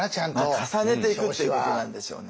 重ねていくっていうことなんでしょうね。